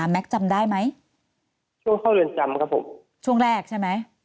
แม็คจำได้ไหมตอนเอ็มช่วงในวันแรกใช่ไหม